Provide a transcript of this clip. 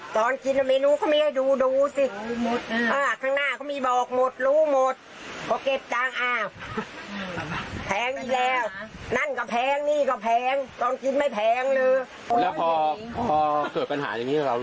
เออมันไส้อยากเจอคนกินมาเลยบอกว่าไอ้ออสรออยู่ทะเลเนี่ยให้มา